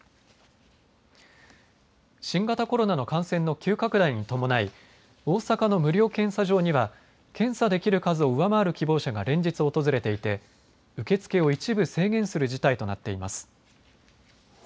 新型コロナの感染の急拡大に伴い大阪の無料検査場には検査できる数を上回る希望者が連日訪れていて受け付けを一部制限する事態となっています。